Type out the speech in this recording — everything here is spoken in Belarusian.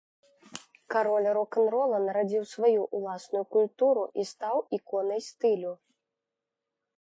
Кароль рок-н-рола нарадзіў сваю ўласную культуру і стаў іконай стылю.